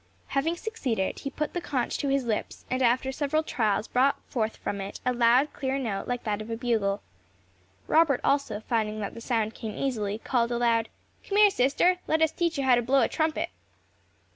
Having succeeded, he put the conch to his lips, and after several trials brought from it a loud clear note like that of a bugle. Robert also, finding that the sound came easily, called aloud, "Come here, sister, let us teach you how to blow a trumpet."